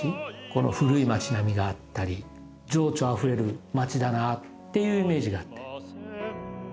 この古い町並みがあったり情緒あふれる町だなっていうイメージがあって。